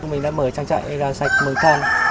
mình đã mở trang trại làm sạch mường than